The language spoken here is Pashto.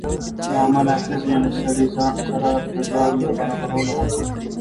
له امله ښځې له سړي سره د ځان د برابرولو هڅه کړې